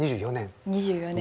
２４年？